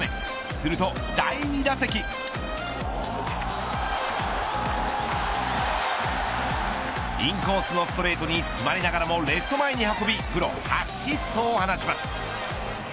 すると第２打席インコースのストレートに詰まりながらもレフト前に運びプロ初ヒットを放ちます。